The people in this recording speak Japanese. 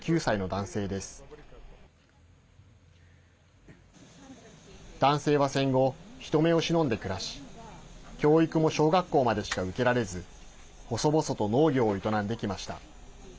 男性は戦後、人目を忍んで暮らし教育も小学校までしか受けられず細々と農業を営んできました。